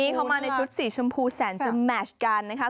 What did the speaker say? เขามาในชุดสีชมพูแสนจะแมชกันนะคะ